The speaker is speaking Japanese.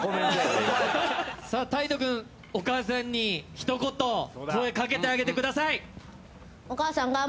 さあ大徹くんお母さんにひと言声かけてあげて下さい。